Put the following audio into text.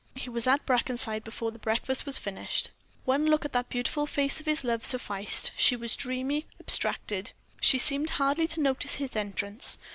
He was at Brackenside before the breakfast was finished. One look at the beautiful face of his love sufficed; she was dreamy, abstracted; she seemed hardly to notice his entrance.